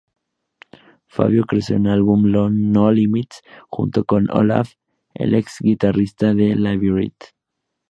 Fabio creó el álbum "No Limits" junto con Olaf, el ex guitarrista de Labyrinth.